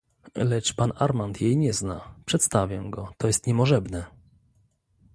Lecz pan Armand jej nie zna. Przedstawię go. To jest niemożebne!